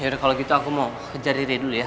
ya udah kalau gitu aku mau kejar riri dulu ya